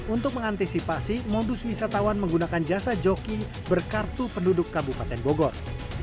untuk mengantisipasi modus wisatawan menggunakan jasa joki berkartu penduduk kabupaten bogor